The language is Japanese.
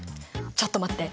ちょっと待って！